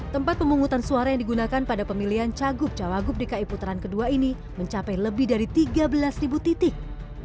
tempat pemungutan suara yang digunakan pada pemilihan cagup cawagup dki putaran kedua ini mencapai lebih dari tiga belas titik